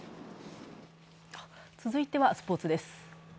続いてはスポーツです。